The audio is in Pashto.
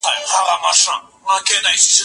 کتاب د زده کوونکي له خوا ليکل کيږي!.